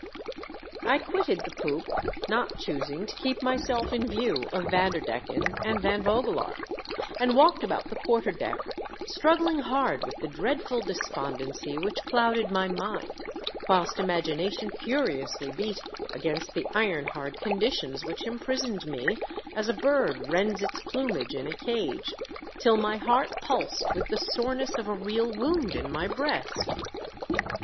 I quitted the poop, not choosing to keep myself in view of Vanderdecken and Van Vogelaar, and walked about the quarter deck, struggling hard with the dreadful despondency which clouded my mind, whilst imagination 342 THE DEATH SHIP. furiously beat against the iron hard conditions which imprisoned me, as a bird rends its plumage in a cage, till my heart pulsed with the soreness of a real wound in my breast.